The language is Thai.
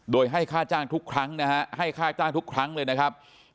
โดยให้ค่าจ้างทุกครั้งนะฮะให้ค่าจ้างทุกครั้งเลยนะครับ